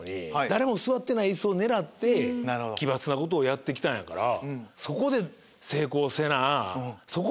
誰も座ってない椅子を狙って奇抜なことをやって来たんやから。